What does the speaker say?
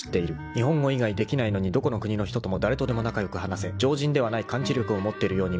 ［日本語以外できないのにどこの国の人とも誰とでも仲良く話せ常人ではない感知力を持ってるように見えるときがある］